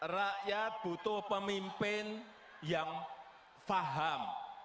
rakyat butuh pemimpin yang faham